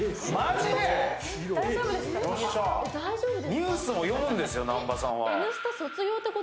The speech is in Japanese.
ニュースも読むんですよ、南波さんは。